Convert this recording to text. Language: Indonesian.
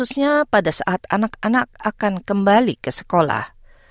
salah satu masalah di negara ini adalah